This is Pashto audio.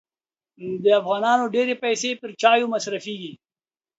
د افغانانو ډېري پیسې پر چایو مصرفېږي.